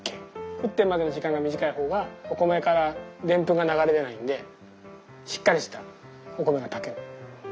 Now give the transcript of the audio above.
沸点までの時間が短い方がお米からでんぷんが流れ出ないんでしっかりしたお米が炊ける。